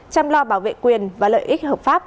chăm lo bảo vệ quyền và lợi ích hợp pháp